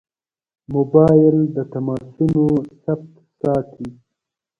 موبایل د تماسونو ثبت ساتي.